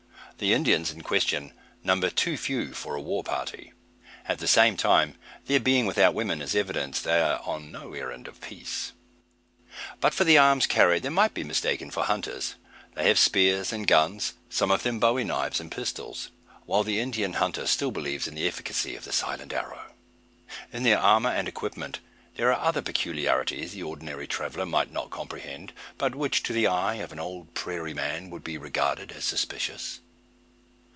The Indians in question number too few for a war party. At the same time, their being without women is evidence they are on no errand of peace. But for the arms carried, they might be mistaken for hunters. They have spears and guns, some of them "bowie" knives and pistols; while the Indian hunter still believes in the efficacy of the silent arrow. In their armour, and equipment there are other peculiarities the ordinary traveller might not comprehend, but which to the eye of an old prairie man would be regarded as suspicious.